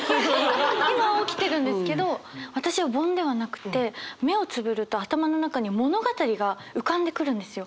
今は起きてるんですけど私は「凡」ではなくって目をつぶると頭の中に物語が浮かんでくるんですよ。